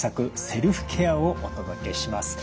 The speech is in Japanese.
セルフケアをお届けします。